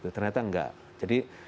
ternyata enggak jadi